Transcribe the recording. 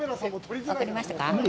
分かりましたか？